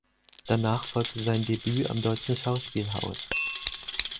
Danach folgte sein Debüt am Deutschen Schauspielhaus.